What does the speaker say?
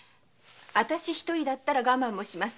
私一人だったら我慢もします。